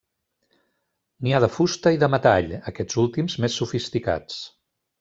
N'hi ha de fusta i de metall, aquests últims més sofisticats.